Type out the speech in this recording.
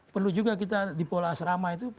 perlu juga kita di pola asrama itu